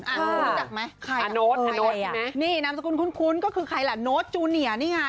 อ่ะคุณรู้จักไหมอันโน๊ตอันโน๊ตนี่นามสกุลคุ้นก็คือใครล่ะโน๊ตจูเนียร์นี่ไง